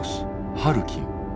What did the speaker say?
ハルキウ。